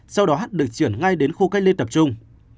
sau đó được chuyển ngay đến khu cách ly tập trung